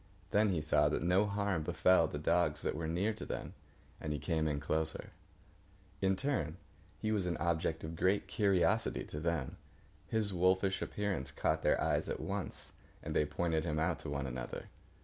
Then he saw that no harm befell the dogs that were near to them, and he came in closer. In turn he was an object of great curiosity to them. His wolfish appearance caught their eyes at once, and they pointed him out to one another.